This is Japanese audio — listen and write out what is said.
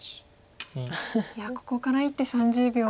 いやここから１手３０秒は。